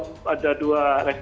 kemudian di indonesia